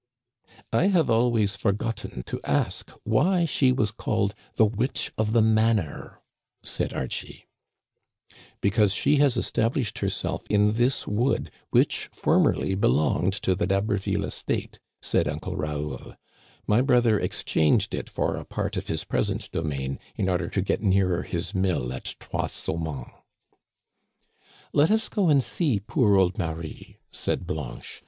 " I have always forgotten to ask why she was called the witch of the manor," said Archie. " Because she has established herself in this wood, which formerly belonged to the D'Haherville estate,'* Digitized by VjOOQIC THE FEAST OF ST. JEAN BAPTISTE. 133 said Uncle Raoul. "My brother exchanged it for a part of his present domain, in order to get nearer his mill at Trois Saumons." •' Let us go and see poor old Marie," said Blanche.